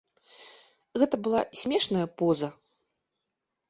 Гэта была смешная поза.